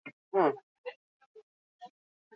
Aldaketa klimatikoa izan du edizio honek gai nagusitzat.